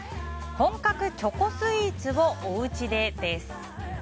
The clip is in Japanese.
本格チョコスイーツをおうちでです。